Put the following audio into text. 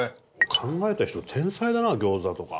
考えた人天才だな餃子とか。